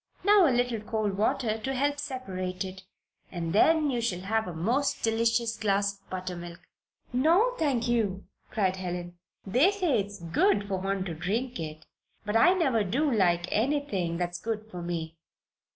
Now a little cold water to help it separate. And then you shall have a most delicious glass of buttermilk." "No, thank you!" cried Helen. "They say it's good for one to drink it. But I never do like anything that's good for me."